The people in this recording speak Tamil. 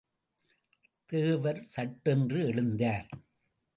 தேவர் சட்டென்று எழுந்தார்.